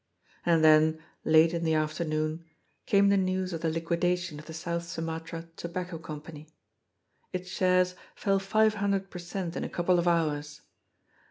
And then, late in the afternoon, came the news of the liquidation of the South Sumatra Tobacco Company. Its shares fell five hundred per cent, in a couple of hours.